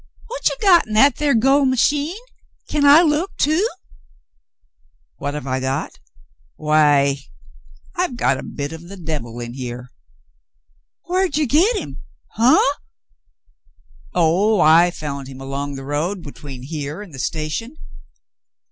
"What you got in that thar gol' machine ? Kin I look, too?" "What have I got ? Why — I've got a bit of the devil in here." "Whar'dyougithim? Huh?" '*0h, I found him along the road between here and the station."